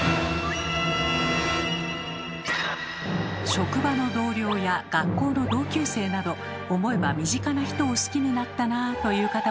職場の同僚や学校の同級生など思えば身近な人を好きになったなあという方も多いはず。